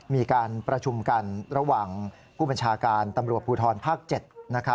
มีการประชุมกันระหว่างผู้บัญชาการตำรวจภูทรภาค๗